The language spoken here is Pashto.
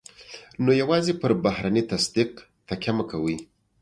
نو يوازې پر بهرني تصديق تکیه مه کوئ.